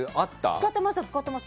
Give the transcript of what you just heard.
使ってました！